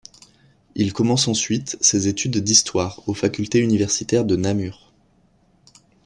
Il commence ensuite ses études d’histoire aux facultés universitaires de Namur.